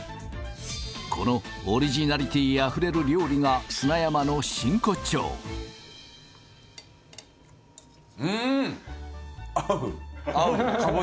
このオリジナリティーあふれる料理が砂山の真骨頂うん合うえっ？